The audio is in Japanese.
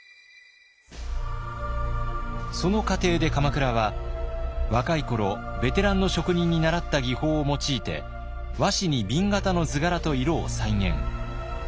その過程で鎌倉は若い頃ベテランの職人に習った技法を用いて和紙に紅型の図柄と色を再現。